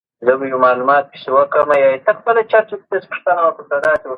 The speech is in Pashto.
د مطالعې په برکت انسان د حق او باطل تر منځ توپیر کولی شي.